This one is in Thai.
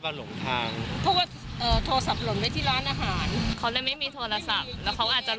เขามาเลี้ยงลูกค้า